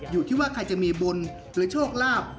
อยู่ที่ว่าใครจะมีบุญหรือโชคลาภ